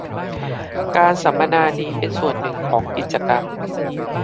การสัมมนานี้เป็นส่วนหนึ่งของกิจกรรม